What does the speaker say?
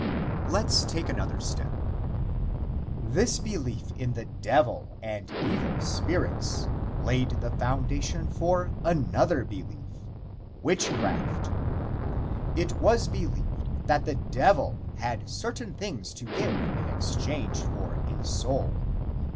II. Let us take another step: This belief in the Devil and evil spirits laid the foundation for another belief: Witchcraft. It was believed that the devil had certain things to give in exchange for a soul.